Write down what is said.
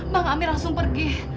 bang amir pergi